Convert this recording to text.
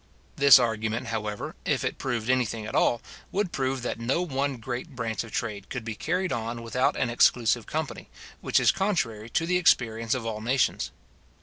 This argument, however, if it proved any thing at all, would prove that no one great branch of trade could be carried on without an exclusive company, which is contrary to the experience of all nations.